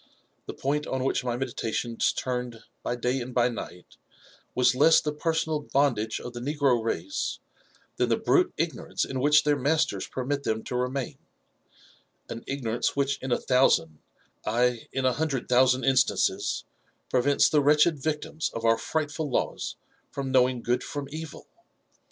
The point on which my meditations turned by day and by night, was less the personal bondage of the negro race, than the brute ignorance in which their masters permit them to remain ; an ignorance which in a thousand — ay, in a hundred thousand instances — prevents the wretched victims of our frightful laws from knowing good from evil.